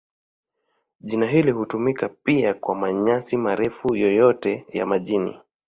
Jina hili hutumika pia kwa manyasi marefu yoyote ya maji.